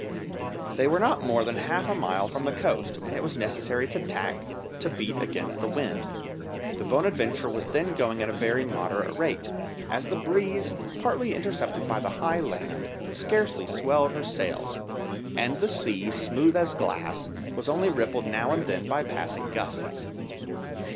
They were not more than half a mile from the coast, and it was necessary to tack to beat against the wind. The Bonadventure was then going at a very moderate rate, as the breeze, partly intercepted by the high land, scarcely swelled her sails, and the sea, smooth as glass, was only rippled now and then by passing gusts.